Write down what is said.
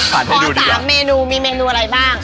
พอ๓เมนูมีเมนูอะไรบ้าง